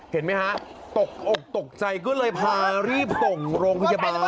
เห็นไหมฮะตกอกตกใจก็เลยพารีบส่งโรงพยาบาล